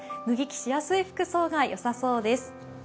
脱ぎ着しやすい服装がよさそうです。